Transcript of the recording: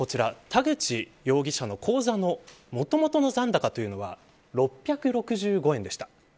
田口容疑者の口座のもともとの残高は６６５円でした。